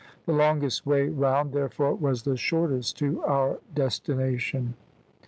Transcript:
The longest way round, therefore, was the shortest to our destination.